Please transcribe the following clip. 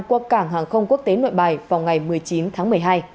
qua cảng hàng không quốc tế nội bài vào ngày một mươi chín tháng một mươi hai